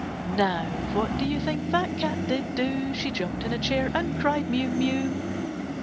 Now what do you think that cat did do? She jumped in a chair and cried, Mew! mew!